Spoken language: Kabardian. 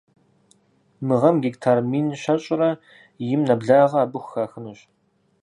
Мы гъэм гектар мин щэщӏрэ им нэблагъэ абы хухахынущ.